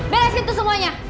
beresin tuh semuanya